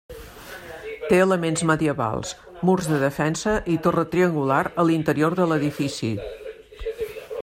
Té elements medievals, murs de defensa i torre triangular a l'interior de l'edifici.